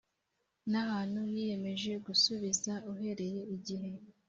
n ahantu yiyemeje gusubiza uhereye igihe